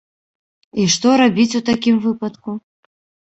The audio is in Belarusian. І што рабіць у такім выпадку?